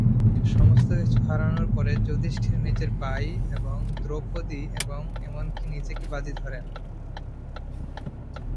সমস্ত কিছু হারানোর পরে যুধিষ্ঠির নিজের ভাই এবং দ্রৌপদী এবং এমনকি নিজেকে বাজি ধরেন।